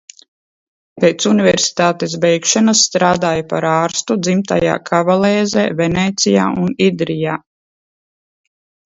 Pēc universitātes beigšanas strādāja par ārstu dzimtajā Kavalēzē, Venēcijā un Idrijā.